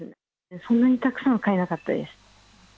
そんなにたくさんは買えなかったです。